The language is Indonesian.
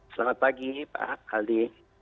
selamat pagi pak aldi